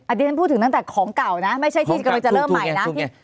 อันนี้ฉันพูดถึงตั้งแต่ของเก่านะไม่ใช่ที่กำลังจะเริ่มใหม่นะ